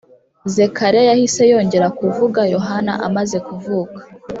zekariya yahise yongera kuvuga yohana amaze kuvuka